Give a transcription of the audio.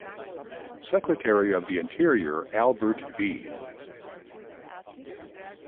Secretary of the Interior Albert B.